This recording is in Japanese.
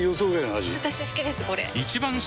私好きですこれ！